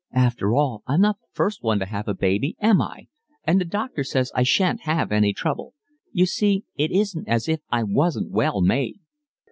"After all, I'm not the first one to have a baby, am I? And the doctor says I shan't have any trouble. You see, it isn't as if I wasn't well made."